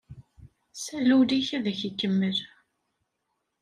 Sal ul-ik, ad ak-imel!